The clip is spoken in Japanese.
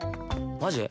マジ？